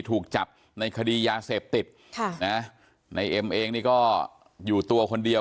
ถูกจับในคดียาเสพติดค่ะนะในเอ็มเองนี่ก็อยู่ตัวคนเดียว